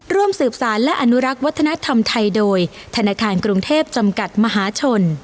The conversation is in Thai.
ร่วมสืบสารและอนุรักษ์วัฒนธรรมไทยโดยธนาคารกรุงเทพจำกัดมหาชน